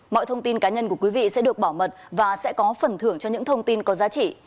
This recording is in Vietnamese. mọi thông tin cá nhân của quý vị sẽ được bảo mật và sẽ có phần thưởng cho những thông tin có giá trị